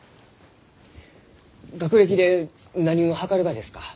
学歴で何をはかるがですか？